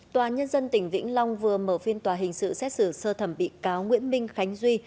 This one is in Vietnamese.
tòa nhân dân tỉnh vĩnh long vừa mở phiên tòa hình sự xét xử sơ thẩm bị cáo nguyễn minh khánh duy